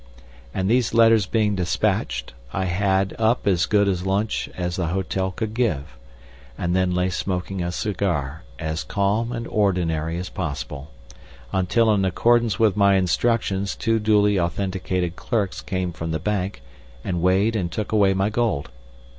And these letters being despatched, I had up as good a lunch as the hotel could give, and then lay smoking a cigar, as calm and ordinary as possible, until in accordance with my instructions two duly authenticated clerks came from the bank and weighed and took away my gold.